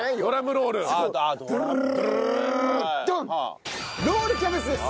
ロールキャベツです。